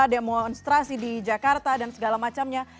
demonstrasi di jakarta dan segala macamnya